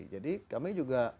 jadi kami juga